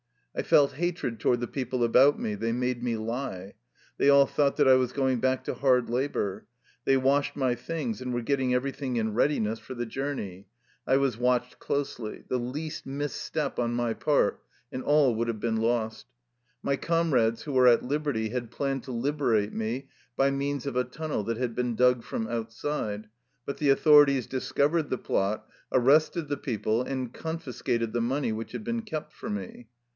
I felt hatred toward the people about me. They made me lie. They all thought that I was going back to hard labor. They washed my things and were getting everything in readiness 198 THE LIFE STORY OF A RUSSIAN EXILE for the journey. I was watched closely. The least misstep on my part, and all would have been lost. My comrades who were at liberty had planned to liberate me by means of a tunnel that had been dug from outside, but the au thorities discovered the plot, arrested the peo ple, and confiscated the money which had been kept for me.